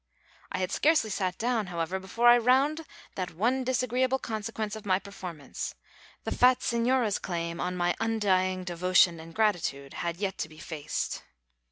I had scarcely sat down, however, before I round that one disagreeable consequence of my performance the fat señora's claim on my undying devotion and gratitude had yet to be faced.